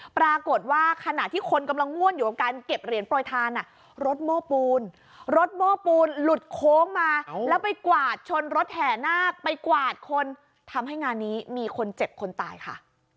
ปรากฏว่าขณะที่คนกำลังม่วนอยู่กับการเก็บเหรียญโปรยทานรถโม้ปูนรถโม้ปูนหลุดโค้งมาแล้วไปกวาดชนรถแห่นาคไปกวาดคนทำให้งานนี้มีคนเจ็บคนตายค่ะ